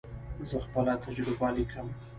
زه خپله تجربه لیکم.